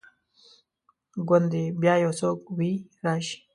ګوندي بیا یو څوک وي راشي